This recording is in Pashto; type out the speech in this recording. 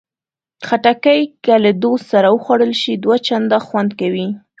خټکی که له دوست سره وخوړل شي، دوه چنده خوند کوي.